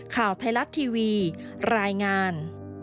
ข่าวไทยรัฐทีวีรายงาน